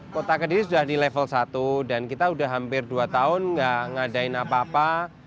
kota kediri sudah di level satu dan kita sudah hampir dua tahun nggak ngadain apa apa